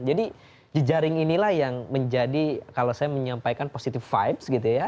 jadi jejaring inilah yang menjadi kalau saya menyampaikan positive vibes gitu ya